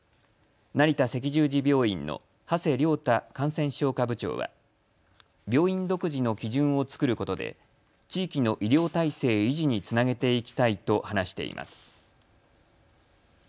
成田赤十字病院の馳亮太感染症科部長は病院独自の基準を作ることで地域の医療体制維持につなげていきたいと話しています。